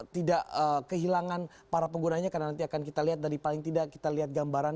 tidak kehilangan para penggunanya karena nanti akan kita lihat dari paling tidak kita lihat gambaran